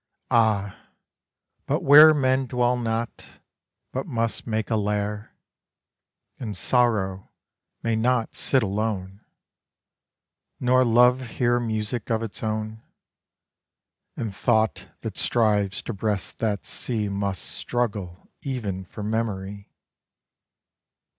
Ah, but where Men dwell not, but must make a lair; And Sorrow may not sit alone, Nor Love hear music of its own; And Thought that strives to breast that sea Must struggle even for memory.